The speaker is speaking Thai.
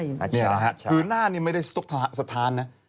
ใช่ค่ะคือหน้านี่ไม่ได้สะทานนะ